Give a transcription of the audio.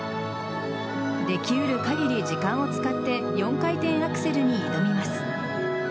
できうる限り時間を使って４回転アクセルに挑みます。